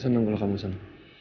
saya seneng kalau kamu seneng